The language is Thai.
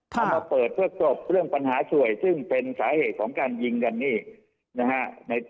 เอามาเปิดเพื่อจบเรื่องปัญหาสวยซึ่งเป็นสาเหตุของการยิงกันนี่นะฮะ